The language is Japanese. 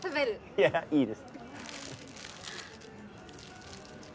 いやいいです。